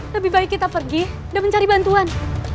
lebih baik kita pergi dan mencari bantuan